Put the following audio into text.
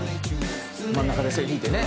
「真ん中で線引いてね。